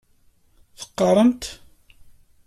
Teqqaremt?